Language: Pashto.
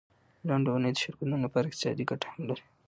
لنډه اونۍ د شرکتونو لپاره اقتصادي ګټه هم لري.